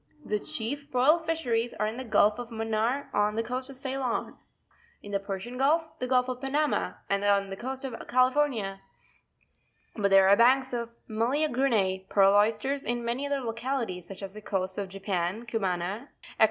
17. The chief pear! fisheries are in the Gulf of Manaar on the coast of Ceylon, in the Persian Gulf, the Gulf of Panama, and on the coast of California; but there are banks of Meleagrine {pearl oysters) in many other localities, such as the coasts of Japan, Cumana, &c.